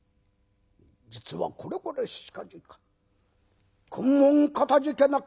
「実はこれこれしかじか。